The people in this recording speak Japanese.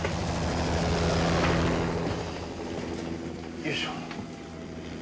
よいしょ。